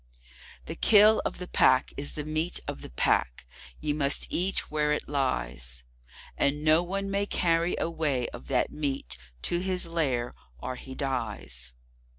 The Kill of the Pack is the meat of the Pack. Ye must eat where it lies; And no one may carry away of that meat to his lair, or he dies.